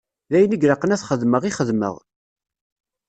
D ayen i ilaqen ad t-xedmeɣ, i xedmeɣ.